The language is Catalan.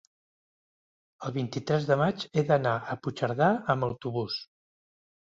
el vint-i-tres de maig he d'anar a Puigcerdà amb autobús.